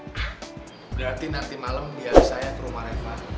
berarti nanti malam biar saya ke rumah reva